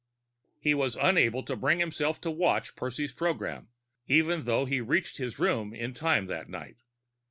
He was unable to bring himself to watch Percy's program, even though he reached his room in time that night.